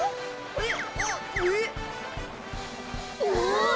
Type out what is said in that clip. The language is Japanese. えっ！？